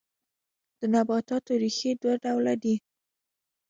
د نباتاتو ریښې دوه ډوله دي